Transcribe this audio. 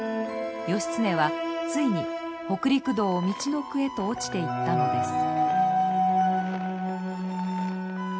義経はついに北陸道をみちのくへと落ちていったのです。